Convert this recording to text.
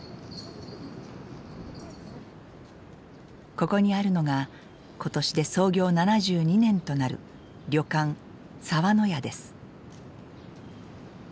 ここにあるのが今年で創業７２年となる旅館澤の屋です。